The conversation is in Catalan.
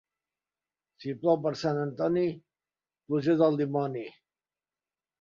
Si plou per Sant Antoni, pluja del dimoni.